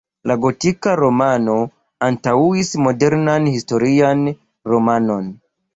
La gotika romano antaŭis modernan historian romanon.